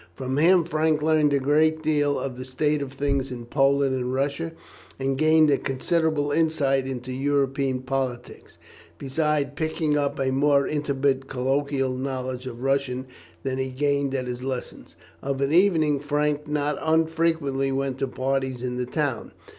From him Frank learned a great deal of the state of things in Poland and Russia, and gained a considerable insight into European politics, besides picking up a more intimate colloquial knowledge of Russian than he gained at his lessons. Of an evening Frank not unfrequently went to parties in the town.